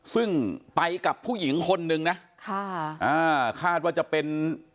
ซึ่งไปกับผู้หญิงคนหนึ่งนะคาดว่าจะเป็น